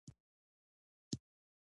د اداري فساد له منځه وړل اړین کار دی.